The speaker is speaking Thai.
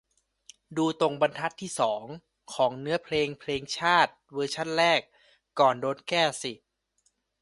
ดูตรงบรรทัดที่สองของเนื้อเพลงเพลงชาติเวอร์ชั่นแรกก่อนโดนแก้สิ